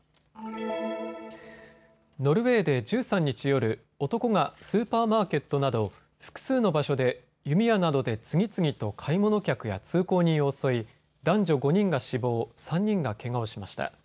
ノルウェーで１３日夜、男がスーパーマーケットなど複数の場所で弓矢などで次々と買い物客や通行人を襲い、男女５人が死亡、３人がけがをしました。